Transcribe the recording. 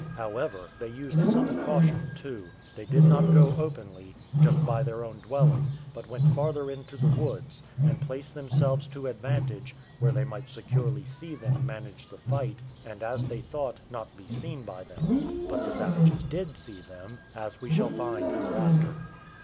However, they used some caution too: they did not go openly, just by their own dwelling, but went farther into the woods, and placed themselves to advantage, where they might securely see them manage the fight, and, as they thought, not be seen by them; but the savages did see them, as we shall find hereafter.